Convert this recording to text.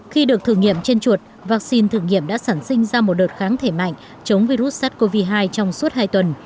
khi được thử nghiệm trên chuột vaccine thử nghiệm đã sản sinh ra một đợt kháng thể mạnh chống virus sars cov hai trong suốt hai tuần